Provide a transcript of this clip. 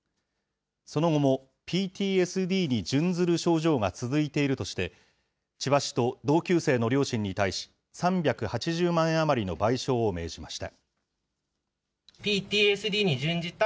その後もＰＴＳＤに準ずる症状が続いているとして、千葉市と同級生の両親に対し、３８０万円余りの賠償を命じました。